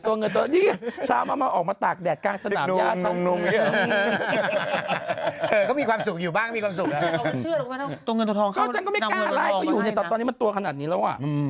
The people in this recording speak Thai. ตัวเงินตัวทองเข้านำเงินตัวทองมาให้นะก็ฉันก็ไม่กล้าอะไรก็อยู่ในตอนนี้มันตัวขนาดนี้แล้วอ่ะ